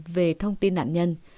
về thông tin nạn nhân